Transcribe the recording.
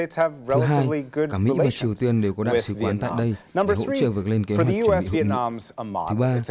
thứ hai cả mỹ và triều tiên đều có đạo sứ quán tại đây để hỗ trợ vực lên kế hoạch chuẩn bị hợp lực